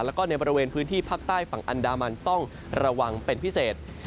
แล้วก็ในบริเวณพื้นที่ภาคใต้ฝั่งอันดามันต้องระวังเป็นพิเศษ